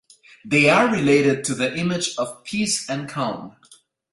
They are related to the image of peace and calm.